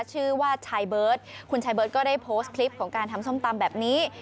ชื่อว่าชายเบิร์ตคุณชายเบิร์ตก็ได้โพสต์คลิปของการทำส้มตำแบบนี้